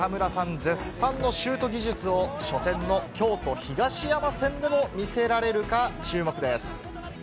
絶賛のシュート技術を、初戦の京都・東山戦でも見せられるか注目です。